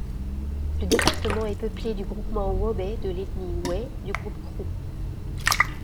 Le département est peuplé du groupement Wobê, de l’ethnie Wê, du groupe Krou.